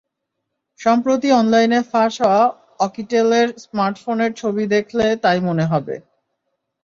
সম্প্রতি অনলাইনে ফাঁস হওয়া অকিটেলের স্মার্টফোনের ছবি দেখলে তাই মনে হবে।